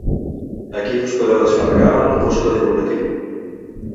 Aquí us podeu descarregar l’opuscle divulgatiu.